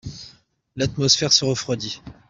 l'atmosphère se refroidit.